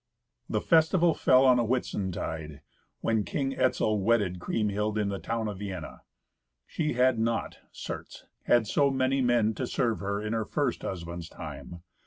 The festival fell on a Whitsuntide, when King Etzel wedded Kriemhild in the town of Vienna. She had not, certes, had so many men to serve her in her first husband's time.